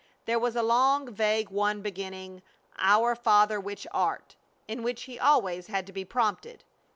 There was a long, vague one beginning, "Our Father which art," in which he always had to be prompted.